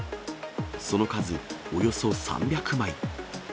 その数およそ３００枚。